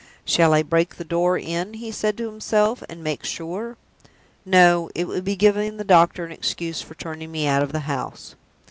"Shall I break the door in," he said to himself, "and make sure? No; it would be giving the doctor an excuse for turning me out of the house."